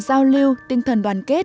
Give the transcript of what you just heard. giao lưu tinh thần đoàn kết